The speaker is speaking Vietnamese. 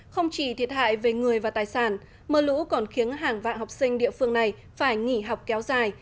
không chỉ thiệt hại về người và tài sản mưa lũ còn khiến hàng vạn học sinh địa phương này phải nghỉ học kéo dài